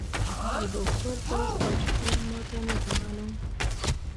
د هوګو الفاظ او ټکي ما ته نه دي معلوم.